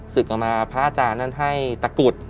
เอามาพระอาจารย์นั้นให้ตะกุด